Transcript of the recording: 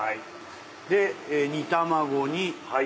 で煮卵に。